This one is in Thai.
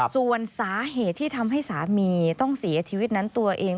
ส่วนสาเหตุที่ทำให้สามีต้องเสียชีวิตนั้นตัวเอง